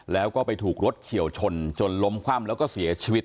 แล้วก็ไปถูกรถเฉียวชนจนล้มคว่ำแล้วก็เสียชีวิต